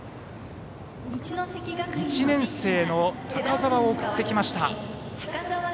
１年生の高澤を送ってきました。